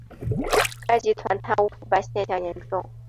该集团贪污腐败现象严重。